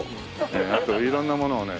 あと色んなものをね。